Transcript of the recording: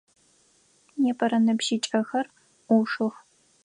Непэрэ ныбжьыкӏэхзр ӏушых.